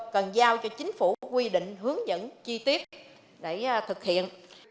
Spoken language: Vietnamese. cần giao cho chính phủ quy định hướng dẫn chi tiết để thực hiện